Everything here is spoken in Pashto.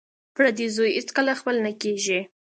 پردی زوی هېڅکله خپل نه کیږي